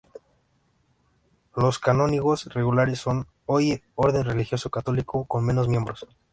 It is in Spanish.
Los canónigos regulares son, hoy, orden religiosa católica con menos miembros.